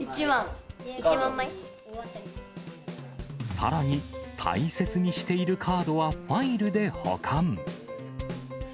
さらに、大切にしているカードはファイルで保管。